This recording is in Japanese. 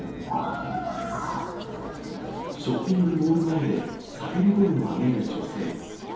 ショッピングモール前で、叫び声を上げる女性。